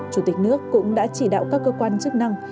chủ tịch nước cũng đã chỉ đạo các cơ quan chức năng